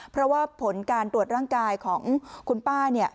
เพราะว่าผลการตรวจร่างกายของคุณป้าเนี่ย